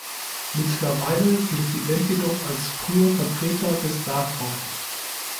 Mittlerweile gilt die Band jedoch als früher Vertreter des Dark Rock.